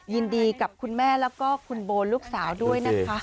ยินดีกับคุณแม่แล้วก็คุณโบลูกสาวด้วยนะคะ